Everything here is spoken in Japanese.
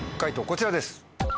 こちらです。